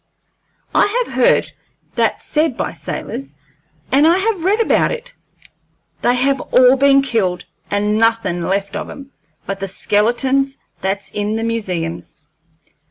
I have heard that said by sailors, and I have read about it. They have all been killed, and nothin' left of 'em but the skeletons that's in the museums."